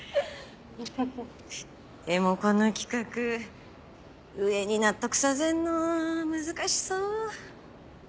でもこの企画上に納得させんのは難しそう。